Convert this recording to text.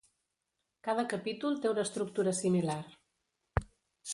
Cada capítol té una estructura similar.